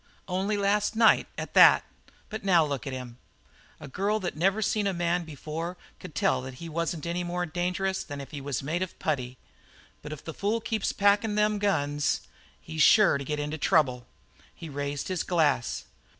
Only last night, at that, but now look at him. A girl that never seen a man before could tell that he wasn't any more dangerous now than if he was made of putty; but if the fool keeps packin' them guns he's sure to get into trouble." He raised his glass.